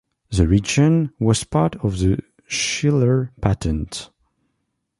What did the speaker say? The region was part of the Schuyler Patent.